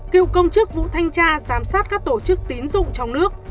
cựu công chức vụ thanh tra giám sát các tổ chức tín dụng trong nước